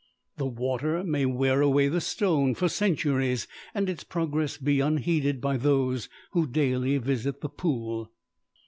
The water may wear away the stone for centuries and its progress be unheeded by those who daily visit the pool.